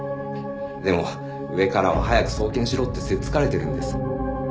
でも上からは早く送検しろってせっつかれてるんです。